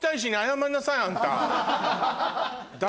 あんた。